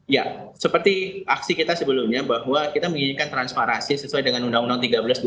ya seperti aksi kita sebelumnya bahwa kita menginginkan transparansi sesuai dengan undang undang tiga belas dua ribu dua